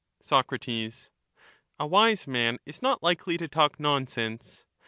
"'*^^ Soc, A wise man is not likely to talk nonsense.